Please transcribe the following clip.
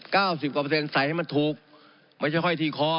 สิบกว่าเปอร์เซ็นใส่ให้มันถูกไม่ใช่ค่อยที่คอ